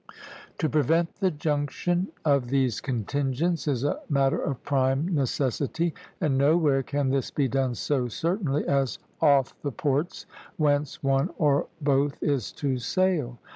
To prevent the junction of these contingents is a matter of prime necessity, and nowhere can this be done so certainly as off the ports whence one or both is to sail.